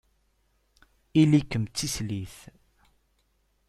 Ili-kem d tislit.